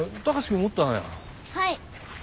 はい。